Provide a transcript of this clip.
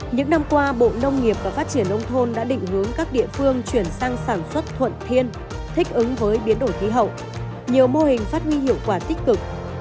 những năm qua bộ nông nghiệp và phát triển nông thôn đã định hướng các địa phương chuyển sang sản xuất thuận thiên thích ứng với biến đổi khí hậu nhiều mô hình phát huy hiệu quả tích cực